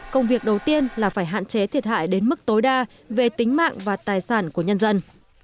công việc đầu tiên là phải hạn chế thiệt hại đến mức tối đa về tính mạng và tài sản của nhân dân